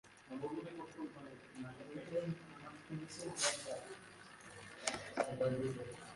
আলোক অঞ্চলটির বিঘ্নিত ভূতত্ত্বের কারণটি পুরোপুরি জানা যায়নি, তবে সম্ভবত জোয়ার উত্তাপের কারণে টেকটোনিক ক্রিয়াকলাপের ফলস্বরূপ এটি ঘটেছে।